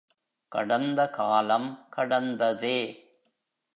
கடந்த காலம் கடந்ததே.